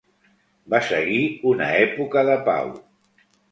Va seguir una època de pau.